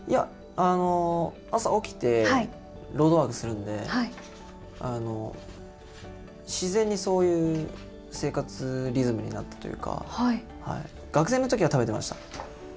朝、起きてロードワークするんで、自然にそういう生活リズムになったというか、学生のときは食べてました。